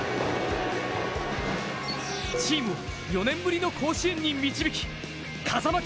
チームを４年ぶりの甲子園に導き風間球